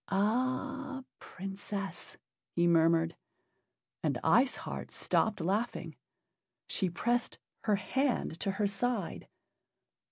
"Ah, Princess!" he murmured. And Ice Heart stopped laughing. She pressed her hand to her side.